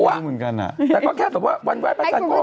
แต่ก็แค่แบบว่าวันว่ายพระจันทร์ก็แบบ